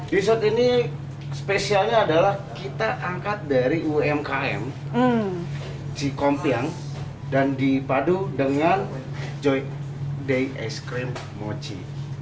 dessert ini spesialnya adalah kita angkat dari umkm cikompiang dan dipadu dengan joy day es krim mochi